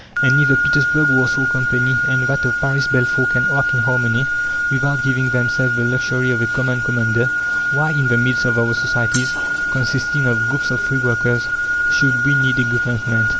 And if the Petersburg Warsaw Company and that of Paris Belfort can act in harmony, without giving themselves the luxury of a common commander, why, in the midst of our societies, consisting of groups of free workers, should we need a Government?"